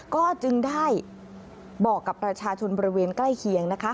ก็จึงได้บอกกับประชาชนบริเวณใกล้เคียงนะคะ